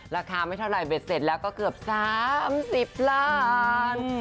ราคาไม่เท่าไหร่เบ็ดเสร็จแล้วก็เกือบ๓๐ล้าน